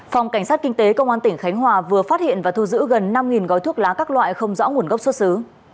phòng cảnh sát kinh tế công an tỉnh khánh hòa vừa phát hiện và thu giữ gần năm gói thuốc lá các loại không rõ nguồn gốc xuất xứ